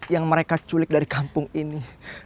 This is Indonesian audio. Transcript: yang mereka culik dari kampung ini